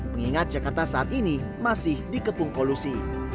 mengingat jakarta saat ini masih dikepung polusi